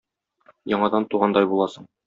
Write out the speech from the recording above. Яңадан тугандай буласың.